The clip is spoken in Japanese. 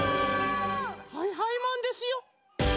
はいはいマンですよ！